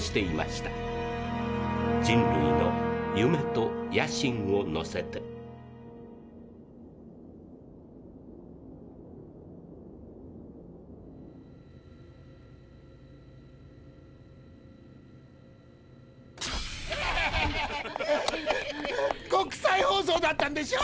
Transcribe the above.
人類の夢と野心をのせて国際放送だったんでしょ？